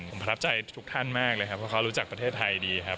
ผมประทับใจทุกท่านมากเลยครับเพราะเขารู้จักประเทศไทยดีครับ